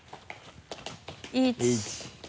１。